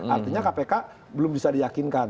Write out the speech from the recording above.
artinya kpk belum bisa diyakinkan